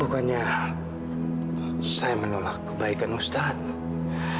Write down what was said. bukannya saya menolak kebaikan ustadz